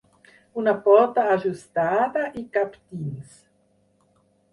Una porta ajustada i cap dins.